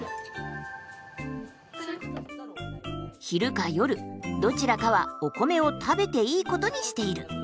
昼か夜どちらかはお米を食べていいことにしている。